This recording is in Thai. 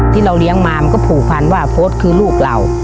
ที่เราเลี้ยงมามันก็ผูกพันว่าโพสต์คือลูกเรา